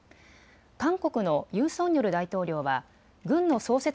韓国のユン・ソンニョル大統領は軍の創設